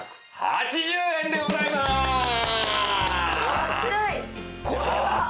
安い！